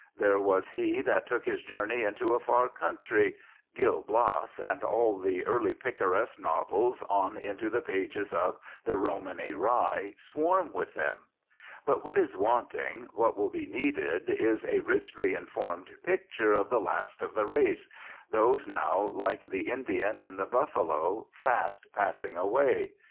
There was he that took his journey into a far country. "Gil Blas" and all the early picaresque novels on into the pages of "The Romany Rye" swarm with them. But what is wanting, what will be needed, is a richly informed picture of the last of the race, those now, like the Indian and the buffalo, fast passing away.